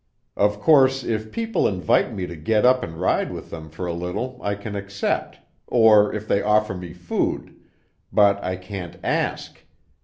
"Of course, if people invite me to get up and ride with them for a little I can accept, or if they offer me food, but I can't ask.